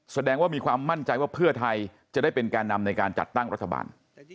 แสดงว่ามีความมั่นใจว่าเพื่อไทยจะได้เป็นแก่นำในการจัดตั้งรัฐบาล